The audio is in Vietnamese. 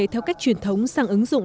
theo cách truyền thống sang ứng dụng